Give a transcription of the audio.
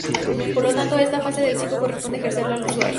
Por lo tanto, esta fase del ciclo corresponde ejercerla al usuario.